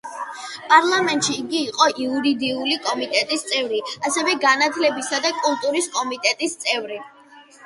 პარლამენტში იგი იყო იურიდიული კომიტეტის წევრი, ასევე განათლებისა და კულტურის კომიტეტის წევრი.